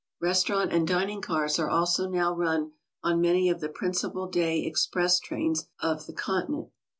Restaurant and dining cars are also now run on many of the principal day express trains of the Continent.